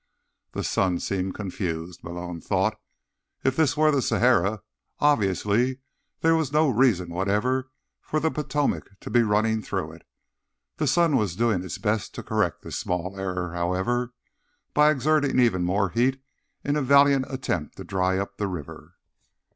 The sun seemed confused, Malone thought. If this were the Sahara, obviously there was no reason whatever for the Potomac to be running through it. The sun was doing its best to correct this small error, however, by exerting even more heat in a valiant attempt to dry up the river.